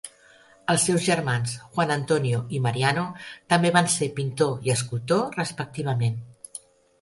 Els seus germans Juan Antonio i Mariano, també van ser pintor i escultor, respectivament.